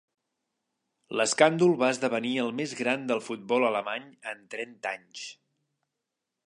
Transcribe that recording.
L'escàndol va esdevenir el més gran del futbol alemany en trenta anys.